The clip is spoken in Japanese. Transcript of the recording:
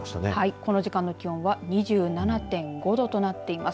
この時間、きょうは２７．５度となっています。